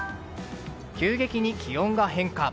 急激に気温が変化。